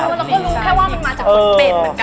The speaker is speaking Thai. คือเราก็รู้แค่ว่ามันมาจากคนเป็ดเหมือนกัน